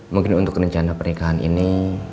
mungkin untuk rencana pernikahan ini